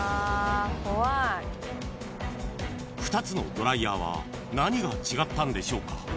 ［２つのドライヤーは何が違ったんでしょうか］